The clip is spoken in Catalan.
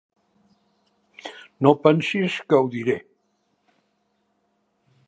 No pensis que ho diré!